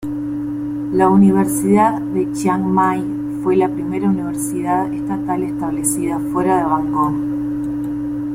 La Universidad de Chiang Mai fue la primera universidad estatal establecida fuera de Bangkok.